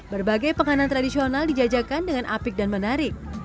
berbagai penganan tradisional dijajakan dengan apik dan menarik